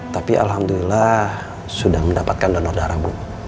tapi alhamdulillah sudah mendapatkan donor darah bu